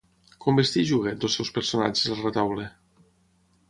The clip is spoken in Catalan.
Com vesteix Huguet els seus personatges al retaule?